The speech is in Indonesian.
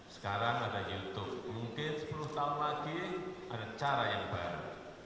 sekarang ada youtube mungkin sepuluh tahun lagi ada cara yang baru